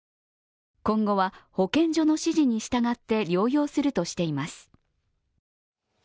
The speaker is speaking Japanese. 今後は保健所の指示に従って療養するとしています。